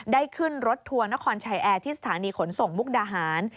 ขึ้นรถทัวร์นครชัยแอร์ที่สถานีขนส่งมุกดาหาร